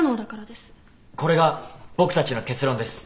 これが僕たちの結論です。